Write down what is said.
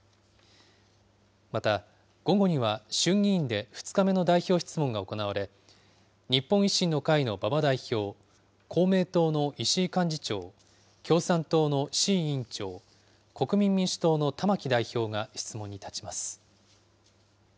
また、午後には衆議院で２日目の代表質問が行われ、日本維新の会の馬場代表、公明党の石井幹事長、共産党の志位委員長、国民民主党の玉木代表が質問に立ちます。